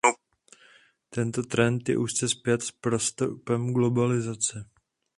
Tento trend je úzce spjat s postupem globalizace.